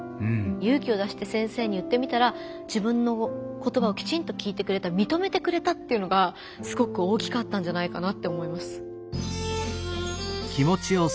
勇気を出して先生に言ってみたら自分の言葉をきちんと聞いてくれたみとめてくれたっていうのがすごく大きかったんじゃないかなと思います。